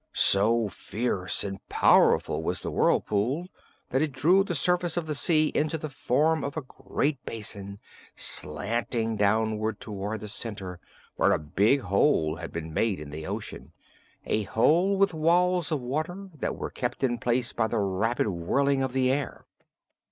So fierce and powerful was the whirlpool that it drew the surface of the sea into the form of a great basin, slanting downward toward the center, where a big hole had been made in the ocean a hole with walls of water that were kept in place by the rapid whirling of the air.